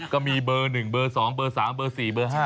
ก็มีเบอร์๑เบอร์๒เบอร์๓เบอร์๔เบอร์๕